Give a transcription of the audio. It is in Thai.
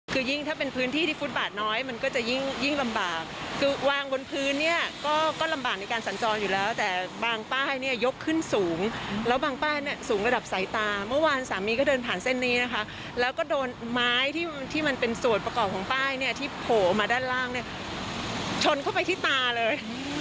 คือยิ่งถ้าเป็นพื้นที่ที่ฟุตบาทน้อยมันก็จะยิ่งลำบากคือวางบนพื้นเนี่ยก็ลำบากในการสัญจรอยู่แล้วแต่บางป้ายเนี่ยยกขึ้นสูงแล้วบางป้ายเนี่ยสูงระดับสายตาเมื่อวานสามีก็เดินผ่านเส้นนี้นะคะแล้วก็โดนไม้ที่มันเป็นส่วนประกอบของป้ายเนี่ยที่โผล่ออกมาด้านล่างเนี่ยชนเข้าไปที่ตาเลย